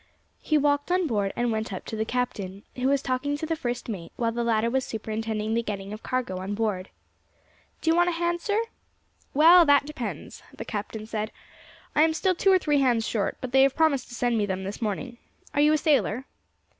He walked on board and went up to the captain, who was talking to the first mate, while the latter was superintending the getting of cargo on board. "Do you want a hand, sir?" "Well, that depends," the captain said; "I am still two or three hands short, but they have promised to send me them this morning. Are you a sailor?"